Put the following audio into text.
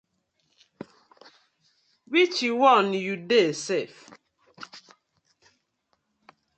Which one yu dey sef?